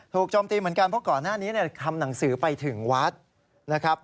โจมตีเหมือนกันเพราะก่อนหน้านี้ทำหนังสือไปถึงวัดนะครับ